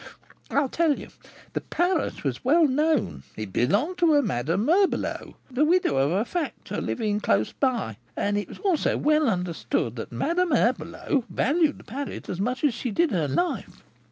"I'll tell you; the parrot was well known; it belonged to a Madame Herbelot, the widow of a factor, living close by, and it was also well understood that Madame Herbelot valued the parrot as much as she did her life.